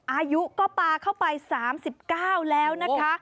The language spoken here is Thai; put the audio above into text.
อายุก็ปลาเข้าไป๓๙แล้วนะคะ